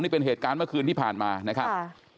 นี่เป็นเหตุการณ์เมื่อคืนที่ผ่านมานะครับ